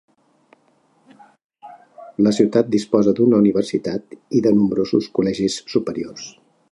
La ciutat disposa d'una universitat i nombrosos col·legis superiors.